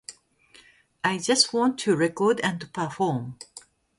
I just want to record and perform.